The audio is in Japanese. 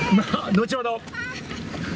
後ほど。